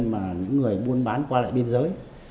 mà những người buôn bán qua lại biên giới